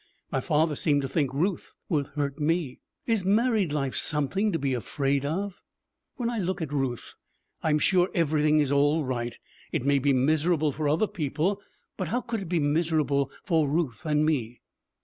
My father seemed to think Ruth would hurt me. Is married life something to be afraid of? When I look at Ruth, I am sure everything is all right. It may be miserable for other people, but how could it be miserable for Ruth and me?'